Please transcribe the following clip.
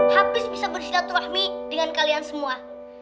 habis bisa bersilaturahmi dengan kalian semua